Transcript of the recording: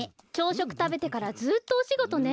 しょくたべてからずっとおしごとね。